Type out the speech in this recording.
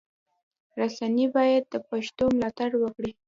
رسنی باید د پښتو ملاتړ وکړي.